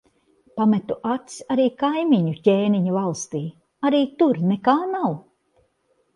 Pametu acis arī kaimiņu ķēniņa valstī. Arī tur nekā nav.